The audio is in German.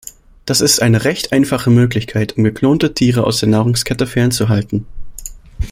Das ist eine recht einfache Möglichkeit, um geklonte Tiere aus der Nahrungskette fernzuhalten.